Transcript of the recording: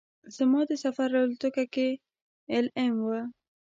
زما د سفر الوتکه کې ایل ایم وه.